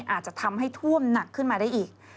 อาจจะทำให้ท่วมหนักขึ้นมาได้อีก